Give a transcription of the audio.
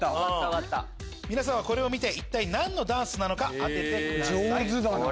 皆さんはこれを見て何のダンスなのか当ててください。